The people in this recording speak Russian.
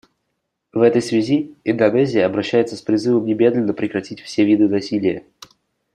В этой связи Индонезия обращается с призывом немедленно прекратить все виды насилия.